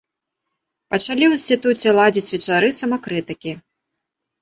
Пачалі ў інстытуце ладзіць вечары самакрытыкі.